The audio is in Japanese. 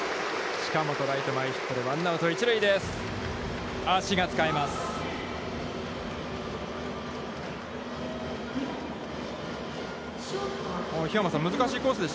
近本、ライト前ヒットでワンアウト、一塁です。